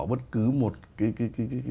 bất cứ một cái